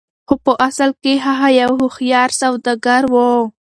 خو په اصل کې هغه يو هوښيار سوداګر و.